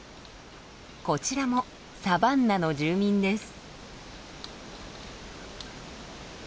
こちらもサバンナの住民です。